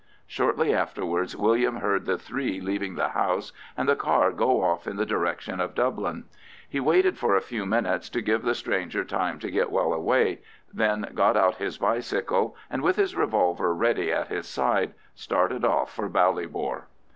Shortly afterwards William heard the three leaving the house and the car go off in the direction of Dublin. He waited for a few minutes to give the stranger time to get well away, then got out his bicycle, and with his revolver ready in his right hand, started off for Ballybor.